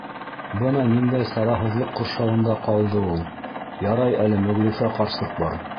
Бына ниндәй сараһыҙлыҡ ҡоршауында ҡалды ул. Ярай әле Мөғлифә ҡарсыҡ бар.